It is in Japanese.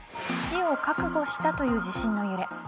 死を覚悟したという地震の揺れ。